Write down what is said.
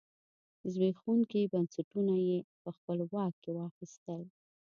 زبېښونکي بنسټونه یې په خپل واک کې واخیستل.